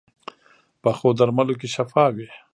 پخو درملو کې شفا وي